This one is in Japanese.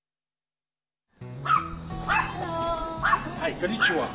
こんにちは。